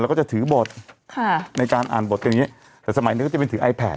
แล้วก็จะถือบทค่ะในการอ่านบทอย่างเงี้แต่สมัยหนึ่งก็จะเป็นถือไอแพท